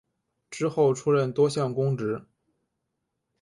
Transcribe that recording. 之后出任多项公职。